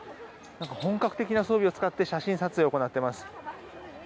本格的な装備を使って写真撮影を行っています。